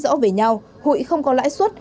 rõ về nhau hội không có lãi suất